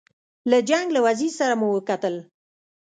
له جنګ له وزیر سره مو وکتل.